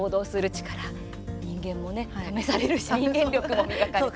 人間もね、試されるし人間力も磨かれて。